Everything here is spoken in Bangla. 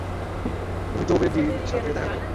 তুমি চৌবে জির সাথে দেখা করো।